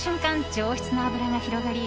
上質な脂が広がり